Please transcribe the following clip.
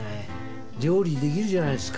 料理できるじゃないですか。